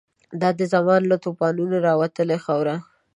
دا د زمان له توپانونو راوتلې خاوره